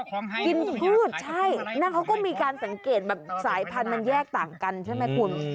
กินพืชใช่นั่นเขาก็มีการสังเกตแบบสายพันธุ์มันแยกต่างกันใช่ไหมคุณ